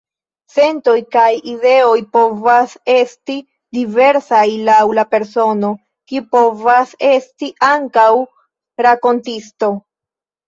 Sentoj kaj ideoj povas esti diversaj, laŭ la persono, kiu povas esti ankaŭ rakontisto.